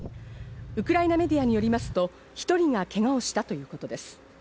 ウクライナメディアによりますと、１人がけがをしたということです。